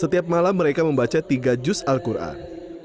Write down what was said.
setiap malam mereka membaca tiga juz al quran